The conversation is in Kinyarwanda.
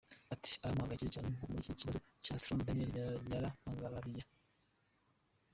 Ati “Arampagarariye cyane nko muri iki kibazo cya Stormy Daniels, yarampagarariye.